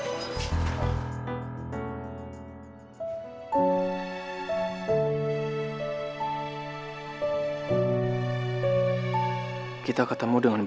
eh mau kemana lo